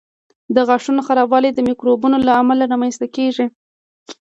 د غاښونو خرابوالی د میکروبونو له امله رامنځته کېږي.